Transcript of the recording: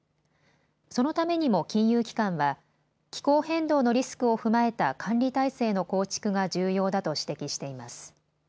そのためにも金融機関は気候変動のリスクを踏まえた管理態勢の構築が重要だと指摘しています。